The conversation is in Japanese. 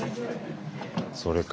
それか。